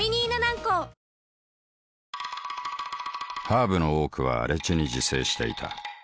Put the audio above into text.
ハーブの多くは荒地に自生していた。